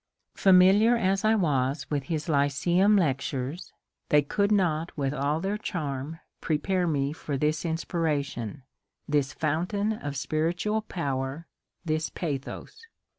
Familiar as I was with his lyceum lectures, they could not with all their charm 48 MONCURE DANIEL CONWAY prepare me for this inspiration, this fountain of spiritual power, this pathos.